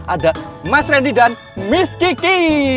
ada mas randy dan miss kiki